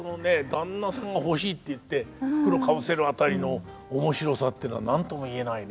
「旦那さんが欲しい」って言って袋かぶせる辺りの面白さっていうのは何とも言えないね。